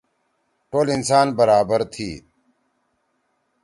ٹول انسان برابر تھی۔